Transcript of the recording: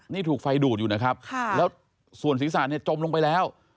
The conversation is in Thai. นี่ถูกไฟดูดอยู่นะครับแล้วส่วนศีรษะเนี่ยจมลงไปแล้ว